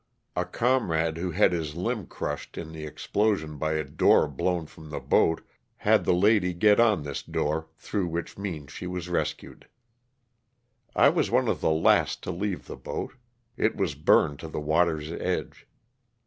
'' A comrade who had his limb crushed in the explosion by a door blown from the boat had the lady get on this door, through which means she was rescued. I was one of the last to leave the boat ; it was burned to the water's edge.